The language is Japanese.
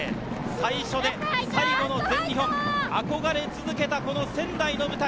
最初で最後の全日本、憧れ続けたこの仙台の舞台。